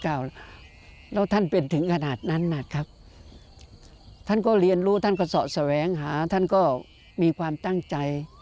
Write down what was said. แล้วท่านเป็นถึงขนาดนั้นนะครับท่านก็เรียนรู้ท่านก็เสาะแสวงหาท่านก็มีความตั้งใจ